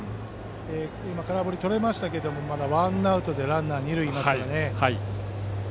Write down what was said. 今、空振りはとれましたがまだワンアウトでランナー、二塁ですから。